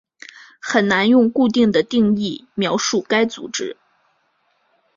很难用固定的定义描述该组织。